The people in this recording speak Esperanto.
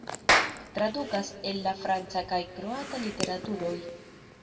Tradukas el la franca kaj kroata literaturoj.